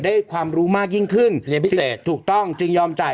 ได้ความรู้มากยิ่งขึ้นเรียนพิเศษถูกต้องจึงยอมจ่าย